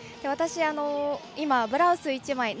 私、今、ブラウス１枚。